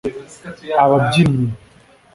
ababyinnyi